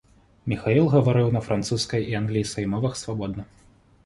Міхаіл гаварыў на французскай і англійскай мовах свабодна.